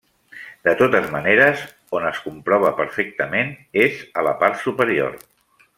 De totes maneres, on es comprova perfectament és a la part superior.